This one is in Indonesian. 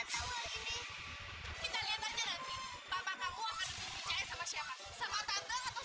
bu jangan diminum bu jangan diminum citra mohon